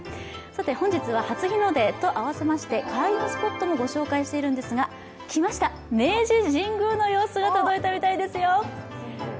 本日は初日の出とあわせまして開運スポットもご紹介しているんですが来ました、明治神宮の様子が届いたみたいですよ。